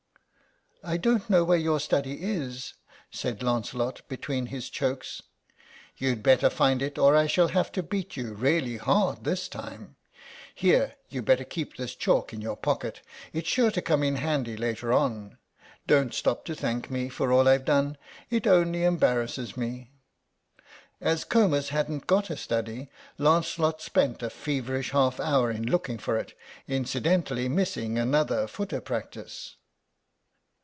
"I don't know where your study is," said Lancelot between his chokes. "You'd better find it or I shall have to beat you, really hard this time. Here, you'd better keep this chalk in your pocket, it's sure to come in handy later on. Don't stop to thank me for all I've done, it only embarrasses me." As Comus hadn't got a study Lancelot spent a feverish half hour in looking for it, incidentally missing another footer practice.